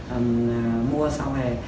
em mua xong rồi